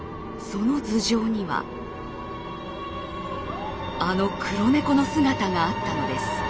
その頭上にはあの黒猫の姿があったのです。